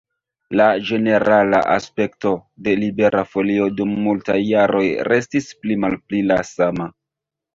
La ĝenerala aspekto de Libera Folio dum multaj jaroj restis pli-malpli la sama.